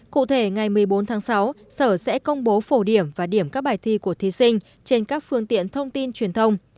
cụ thể ngày một mươi bốn tháng sáu sở sẽ công bố phổ điểm và điểm các bài thi của thí sinh trên các phương tiện thông tin truyền thông